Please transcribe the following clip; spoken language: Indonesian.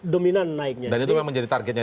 dominan naiknya dan itu memang menjadi targetnya